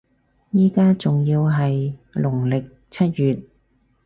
依家仲要係農曆七月